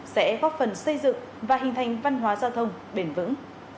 sẽ góp phần xây dựng và hình thành những hành động tốt đẹp hơn